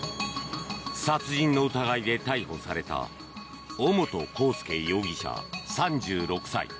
殺人の疑いで逮捕された尾本幸祐容疑者、３６歳。